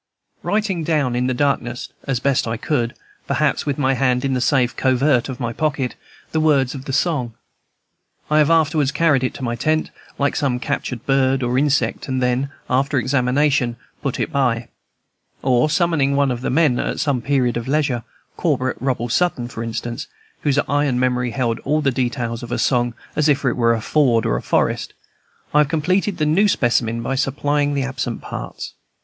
Writing down in the darkness, as I best could, perhaps with my hand in the safe covert of my pocket, the words of the song, I have afterwards carried it to my tent, like some captured bird or insect, and then, after examination, put it by. Or, summoning one of the men at some period of leisure, Corporal Robert Sutton, for instance, whose iron memory held all the details of a song as if it were a ford or a forest, I have completed the new specimen by supplying the absent parts.